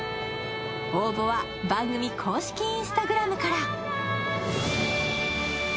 応募は番組公式Ｉｎｓｔａｇｒａｍから。